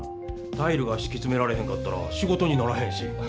タイルがしきつめられへんかったら仕事にならへんし。